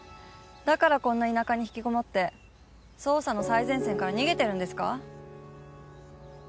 だからこんな田舎に引きこもって捜査の最前線から逃げてるんですか？